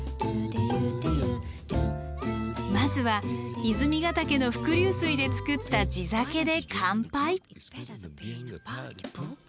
まずは泉ヶ岳の伏流水で造った地酒で乾杯。